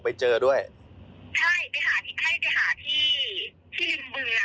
ไม่มีชื่อเลยนะ